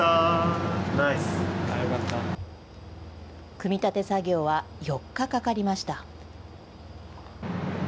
組み立て作業は４日かかりました。